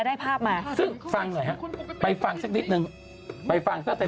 ไม่แต่ขำตรงนี้